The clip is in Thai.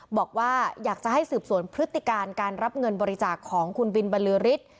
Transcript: บอกว่าอยากจะให้สืบสวนพฤติการการรับเงินบริจาคของคุณบินบรรลือฤทธิ์